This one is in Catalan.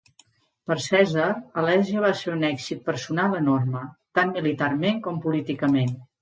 Per Cèsar, Alèsia va ser un èxit personal enorme, tant militarment com políticament.